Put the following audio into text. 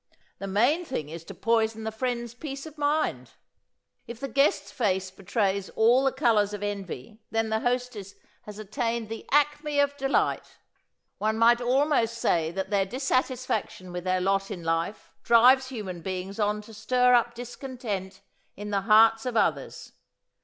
The main thing is to poison the friend's peace of mind. If the guest's face betrays all the colours of envy then the hostess has attained the acme of delight. One might almost say that their dissatisfaction with their lot in life drives human beings on to stir up discontent in the hearts of others.